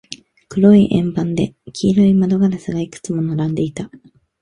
黒い円盤で、黄色い窓ガラスがいくつも並んでいた。